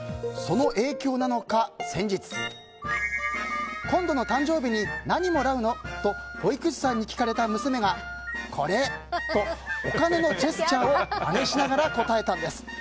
その影響なのか先日今度の誕生日に何もらうの？と保育士さんに聞かれた娘がこれ！とお金のジェスチャーをまねしながら答えたんです。